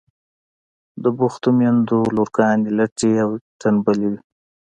د بوختو میندو لورگانې لټې او تنبلې وي.